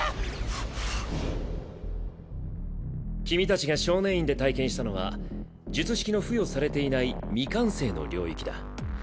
君たちが少年院で体験したのは術式の付与されていない未完成の領域だ。